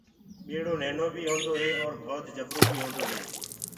ٻيڙو ننهنو بي هوندو هي اور ڀوت جبرو بي هوندو هي۔